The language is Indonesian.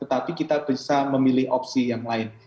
tetapi kita bisa memilih opsi yang lain